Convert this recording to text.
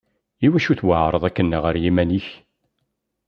Iwacu tweεreḍ akken ɣer yiman-ik?